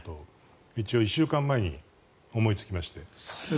一応、１週間前に思いつきまして。